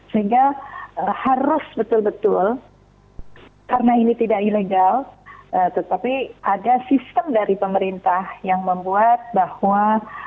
sehingga harus betul betul karena ini tidak ilegal tetapi ada sistem dari pemerintah yang membuat bahwa